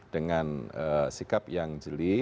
dengan sikap yang jeli